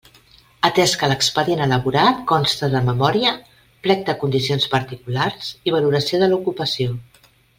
Atès que l'expedient elaborat consta de Memòria, Plec de Condicions Particulars i Valoració de l'ocupació.